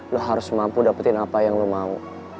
lo harus mampu dapetin apa yang lo mau